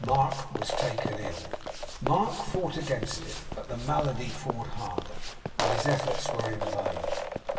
Mark was taken ill. Mark fought against it; but the malady fought harder, and his efforts were in vain.